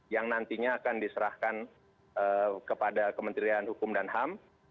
yang nantinya akan diserahkan kepada kementerian hukum dan ham